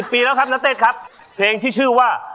ปีแล้วครับณเต้ครับเพลงที่ชื่อว่า